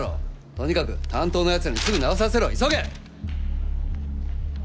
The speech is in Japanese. とにかく担当のやつらにすぐ直させろ急げ！